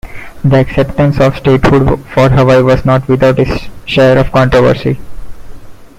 The acceptance of statehood for Hawaii was not without its share of controversy.